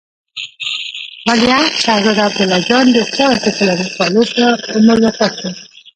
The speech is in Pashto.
ولیعهد شهزاده عبدالله جان د شپاړسو فلاني کالو په عمر وفات شو.